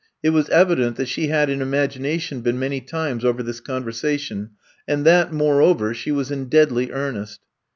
It was evident that she had in imagination been many times over this conversation, and that, moreover, she was in deadly earnest.